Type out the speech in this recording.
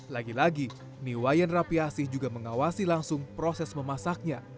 lagi lagi niwayan rapiasih juga mengawasi langsung proses memasaknya